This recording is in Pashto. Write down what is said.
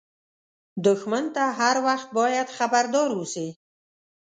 دښمن ته هر وخت باید خبردار اوسې